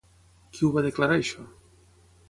Qui ho va declarar això?